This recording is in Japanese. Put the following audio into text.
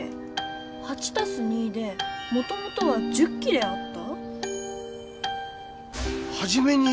８たす２でもともとは１０きれあった？